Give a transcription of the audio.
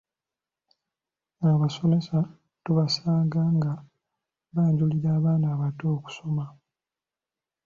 Abasomesa tubasanga nga banjulira abaana abato okusoma.